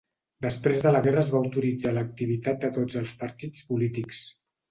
Després de la guerra es va autoritzar l'activitat de tots els partits polítics.